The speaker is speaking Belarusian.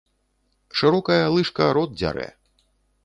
Шырокая лыжка рот дзярэ